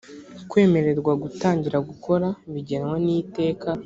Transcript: kwemererwa gutangira gukora bigenwa n iteka